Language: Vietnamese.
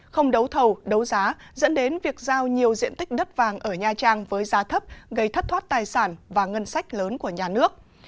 không đấu thầu đấu giá dẫn đến việc giao nhiều diện tích đất vàng ở nha trang với giá thấp gây thất thoát tài sản và ngân sách lớn của nhà nước